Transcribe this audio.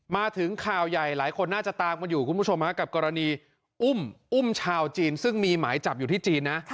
มาถึงข่าวใหญ่หลายคนน่าจะตามกันอยู่คุณผู้ชมฮะกับกรณีอุ้มอุ้มชาวจีนซึ่งมีหมายจับอยู่ที่จีนนะ